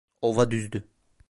Ova düzdü.